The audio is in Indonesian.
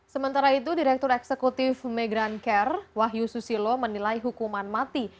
sementara itu direktur eksekutif migran care wahyu susilo menilai hukuman mati